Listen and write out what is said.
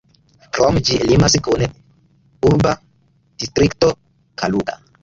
Krome, ĝi limas kun urba distrikto Kaluga.